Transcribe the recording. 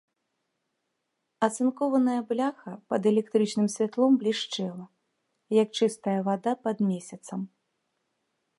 Ацынкованая бляха пад электрычным святлом блішчэла, як чыстая вада пад месяцам.